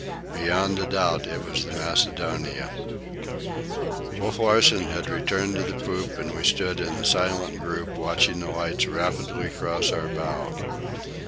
Beyond a doubt it was the Macedonia. Wolf Larsen had returned to the poop, and we stood in a silent group, watching the lights rapidly cross our bow.